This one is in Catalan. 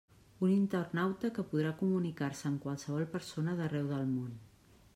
Un internauta que podrà comunicar-se amb qualsevol persona d'arreu del món.